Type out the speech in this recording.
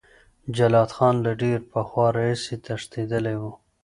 جلات خان له ډیر پخوا راهیسې تښتېدلی و.